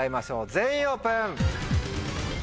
全員オープン！